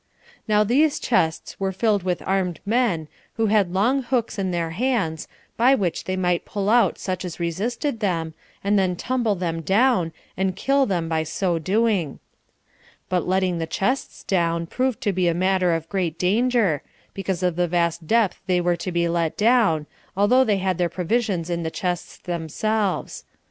Now these chests were filled with armed men, who had long hooks in their hands, by which they might pull out such as resisted them, and then tumble them down, and kill them by so doing; but the letting the chests down proved to be a matter of great danger, because of the vast depth they were to be let down, although they had their provisions in the chests themselves.